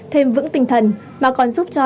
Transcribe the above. thêm vững tinh thần mà còn giúp cho